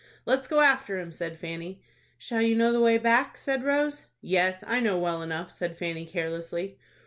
"Let's go after him," said Fanny. "Shall you know the way back?" said Rose. "Yes, I know well enough," said Fanny, carelessly.